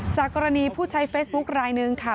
จากกรณีผู้ใช้เฟซบุ๊คลายหนึ่งค่ะ